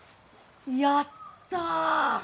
やった！